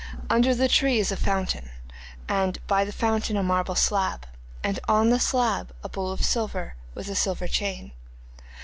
Under the tree is a fountain, and by the fountain a marble slab, and on the slab a bowl of silver, with a silver chain.